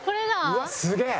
うわっすげえ。